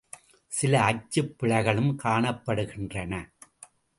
சில அச்சுப் பிழைகளும் காணப்படுகின்றன.